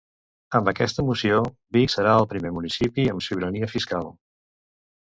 Amb aquesta moció, Vic serà el primer municipi amb sobirania fiscal.